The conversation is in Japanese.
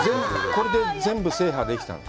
これで全部制覇できたの？